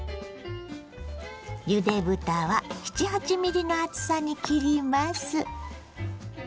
ゆで豚は７８ｍｍの厚さに切ります。